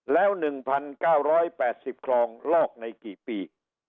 แล้ว๑๙๘๐คลองลอกในกี่ปี